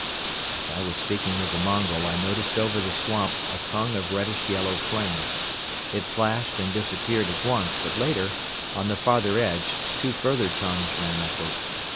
As I was speaking with the Mongol I noticed over the swamp a tongue of reddish yellow flame. It flashed and disappeared at once but later, on the farther edge, two further tongues ran upward.